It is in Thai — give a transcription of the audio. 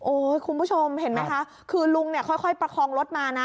คุณผู้ชมเห็นไหมคะคือลุงเนี่ยค่อยประคองรถมานะ